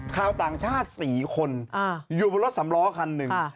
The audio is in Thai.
คราวต่างชาติสี่คนอ่าอยู่บนรถสำล้อคันหนึ่งอ่า